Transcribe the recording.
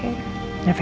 aku cintamu lebih